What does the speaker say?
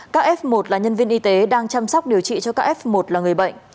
các f một là nhân viên y tế đang chăm sóc điều trị cho các f một là người bệnh